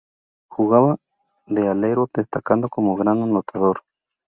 Jugaba de alero destacando como gran anotador.